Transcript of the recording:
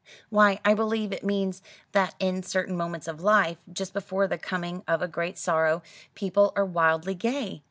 "Why, I believe it means that in certain moments of life, just before the coming of a great sorrow, people are wildly gay.